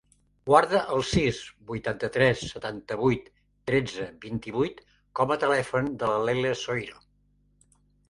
Guarda el sis, vuitanta-tres, setanta-vuit, tretze, vint-i-vuit com a telèfon de la Leila Sueiro.